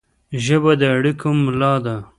ژبه د اړیکو ملا ده